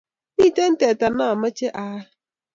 miten teta namache ayal